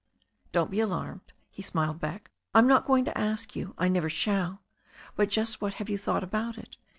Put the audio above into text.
"Don't be alarmed," he smiled back. "I am not going to ask you to. I never shall. But just what have you thought about it?